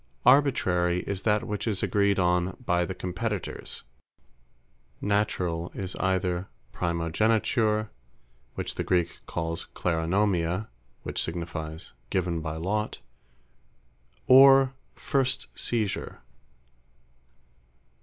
Arbitrary, is that which is agreed on by the Competitors; Naturall, is either Primogeniture, (which the Greek calls Kleronomia, which signifies, Given by Lot;) or First Seisure.